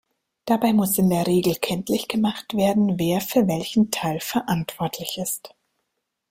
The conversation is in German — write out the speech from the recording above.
Dabei muss in der Regel kenntlich gemacht werden, wer für welchen Teil verantwortlich ist.